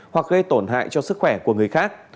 hoặc gây tổn hại cho sức khỏe của người khác